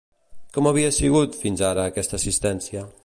Com havia sigut, fins ara, aquesta assistència?